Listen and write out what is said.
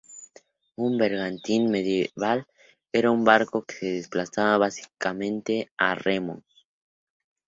Un bergantín medieval era un barco que se desplazaba básicamente a remos.